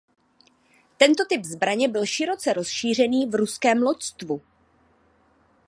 Tento typ zbraně byl široce rozšířený v ruském loďstvu.